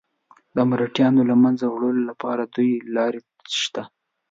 د مرهټیانو له منځه وړلو لپاره دوې لارې شته.